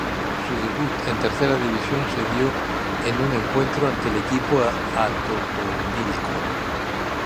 Su debut en Tercera División se dio en un encuentro ante el equipo Atotonilco.